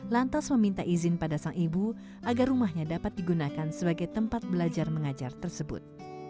lantas meminta izin pada sang ibu agar rumahnya dapat digunakan sebagai tempat belajar mengajar tersebut